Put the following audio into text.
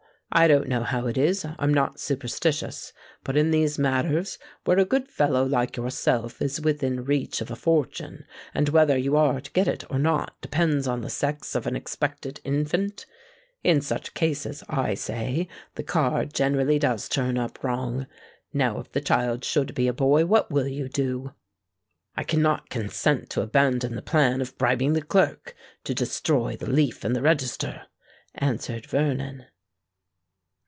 I don't know how it is—I'm not superstitious—but in these matters, where a good fellow like yourself is within reach of a fortune, and whether you are to get it or not depends on the sex of an expected infant,—in such cases, I say, the card generally does turn up wrong. Now if the child should be a boy, what will you do?" "I cannot consent to abandon the plan of bribing the clerk to destroy the leaf in the register," answered Vernon.